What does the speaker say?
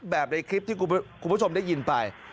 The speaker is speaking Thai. ในคลิปที่คุณผู้ชมได้ยินไป